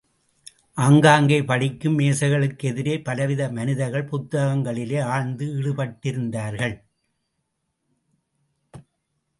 ஆங்காங்கே படிக்கும் மேசைகளுக்கெதிரே பலவித மனிதர்கள், புத்தகங்களிலே ஆழ்ந்து ஈடுபட்டிருந்தார்கள்.